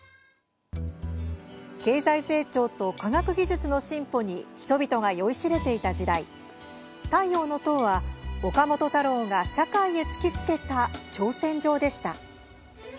経済成長と科学技術の進歩に人々が酔いしれていた時代「太陽の塔」は、岡本太郎が社会へ突きつけた挑戦状でした。